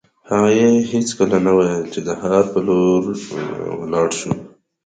هغې هېڅکله نه ویل چې د ښار په لور ولاړ شو